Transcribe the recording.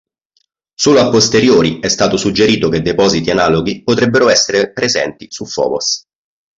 Solo a posteriori è stato suggerito che depositi analoghi potrebbero essere presenti su Fobos.